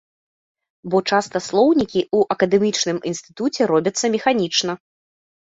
Бо часта слоўнікі ў акадэмічным інстытуце робяцца механічна.